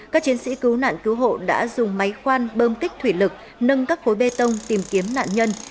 các chiến sĩ cứu nạn cứu hộ đã dùng máy khoan bơm kích thủy lực nâng các khối bê tông tìm kiếm nạn nhân